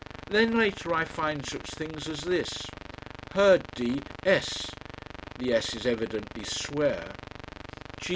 Then later I find such things as this: "Heard D. s ." The "s" is evidently "swear " "G.